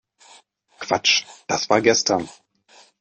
Quatsch, das war gestern!